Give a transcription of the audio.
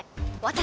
私？